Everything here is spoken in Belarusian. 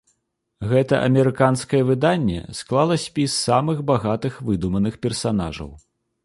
Гэта амерыканскае выданне склала спіс самых багатых выдуманых персанажаў.